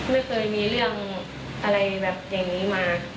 ไม่เคยมีเรื่องอะไรแบบอย่างนี้มา